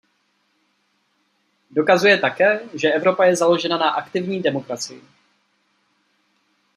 Dokazuje také, že Evropa je založena na aktivní demokracii.